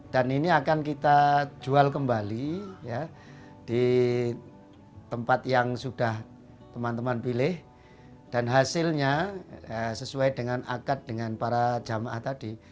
dan ini akan kita jual kembali di tempat yang sudah teman teman pilih dan hasilnya sesuai dengan akad dengan para jamaah tadi